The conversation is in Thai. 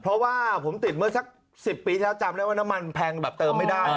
เพราะว่าผมติดเมื่อสัก๑๐ปีที่แล้วจำได้ว่าน้ำมันแพงแบบเติมไม่ได้